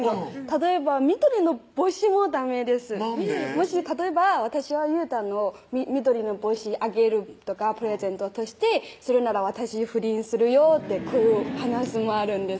もし例えば私は裕太の緑の帽子あげるとかプレゼントとしてするなら私不倫するよってこういう話もあるんです